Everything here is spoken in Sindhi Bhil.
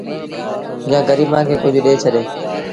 جآنٚ گريبآنٚ کي ڪجھ ڏي ڇڏي